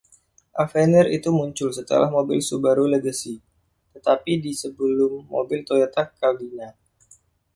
Avenir itu muncul setelah mobil Subaru Legacy, tetapi di sebelum mobil Toyota Caldina.